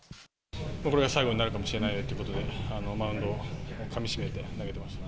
これが最後になるかもしれないということで、マウンドをかみしめて投げてました。